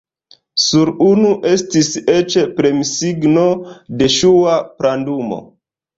Sur unu estis eĉ premsigno de ŝua plandumo.